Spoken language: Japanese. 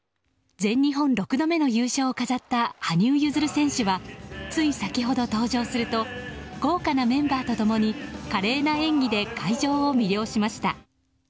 全日本６度目の優勝を飾った羽生結弦選手はつい先ほど登場すると豪華なメンバーと共に華麗な演技で会場を魅了しました。